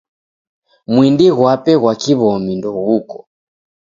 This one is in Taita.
Mwindi ghwape ghwa kiw'omi ndoghuko.